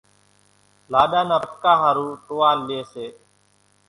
لاڏا نا پٽڪا ۿارُو ٽوئال ليئيَ سي۔